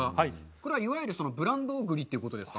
これは、いわゆるブランド栗ということですか。